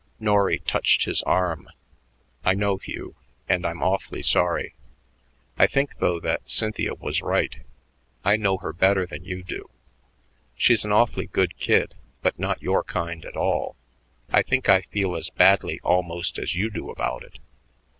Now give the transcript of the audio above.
Norry touched his arm. "I know, Hugh, and I'm awfully sorry. I think, though, that Cynthia was right. I know her better than you do. She's an awfully good kid but not your kind at all; I think I feel as badly almost as you do about it."